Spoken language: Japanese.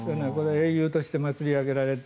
英雄として祭り上げられて。